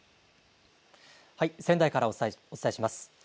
仙台からお伝えします。